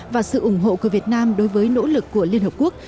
và sự ủng hộ của việt nam đối với nỗ lực của liên hợp quốc